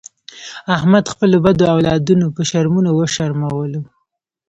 احمد خپلو بدو اولادونو په شرمونو و شرمولو.